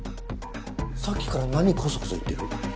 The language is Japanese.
さっきから何こそこそ言ってる？